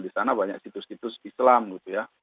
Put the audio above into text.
di sana banyak situs situs islam gitu ya